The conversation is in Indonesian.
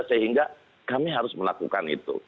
sehingga kami harus melakukan itu